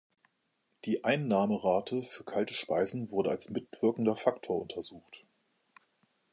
Die Einnahmerate für kalte Speisen wurde als mitwirkender Faktor untersucht.